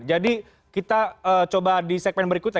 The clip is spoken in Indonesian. jadi kita coba di segmen berikutnya